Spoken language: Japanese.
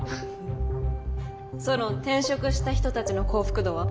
ソロン転職した人たちの幸福度は？